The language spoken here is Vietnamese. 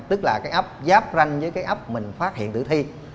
tức là cái ấp giáp ranh với cái ấp mình phát hiện tử thi